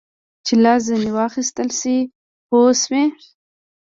چې لاس ځینې واخیستل شي پوه شوې!.